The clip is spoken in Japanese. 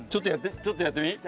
ちょっとやってみ？